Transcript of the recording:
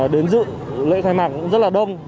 đến dự lễ khai mạc cũng rất là đông